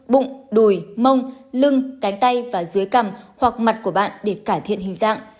bụng đùi mông lưng cánh tay và dưới cằm hoặc mặt của bạn để cải thiện hình dạng